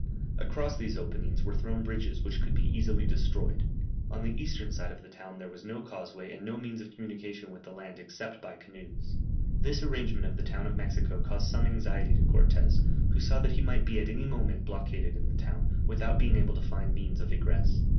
Across these openings were thrown bridges which could be easily destroyed. On the eastern side of the town there was no causeway and no means of communication with the land except by canoes. This arrangement of the town of Mexico caused some anxiety to Cortès, who saw that he might be at any moment blockaded in the town, without being able to find means of egress.